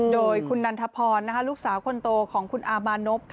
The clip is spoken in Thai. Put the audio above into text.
โดยคุณนันทพรลูกสาวคนโตของคุณอามานพ